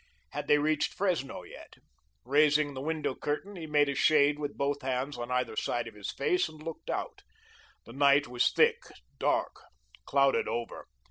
Had they reached Fresno yet? Raising the window curtain, he made a shade with both hands on either side of his face and looked out. The night was thick, dark, clouded over.